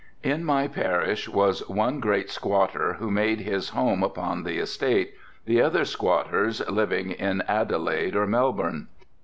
"In my parish was one great squatter who made his home upon the estate, the other squatters living at Adelaide or Melbourne.